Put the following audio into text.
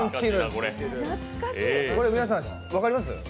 これ、皆さん分かります？